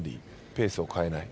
ペースを変えない。